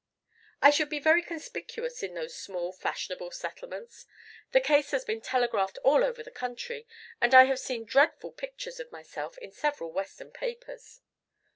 "I should be very conspicuous in those small fashionable settlements. The case has been telegraphed all over the country, and I have seen dreadful pictures of myself in several Western papers."